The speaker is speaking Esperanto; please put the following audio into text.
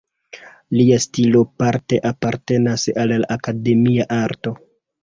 Lia stilo parte apartenas al la akademia arto.